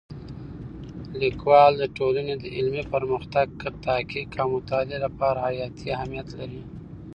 لیکوالی د ټولنې د علمي پرمختګ، تحقیق او مطالعې لپاره حیاتي اهمیت لري.